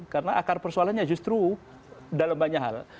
karena akar persoalannya justru dalam banyak hal